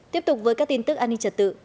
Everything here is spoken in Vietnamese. tiếp tục với các tin tức an ninh trật tự